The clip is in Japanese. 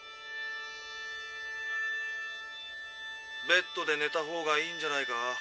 ベッドでねたほうがいいんじゃないか。